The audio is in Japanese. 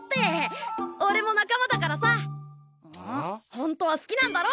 ほんとは好きなんだろ！？